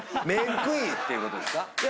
面食いっていうことですか？